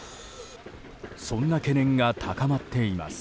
そんな懸念が高まっています。